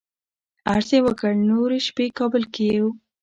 عرض یې وکړ نورې شپې کابل کې یو.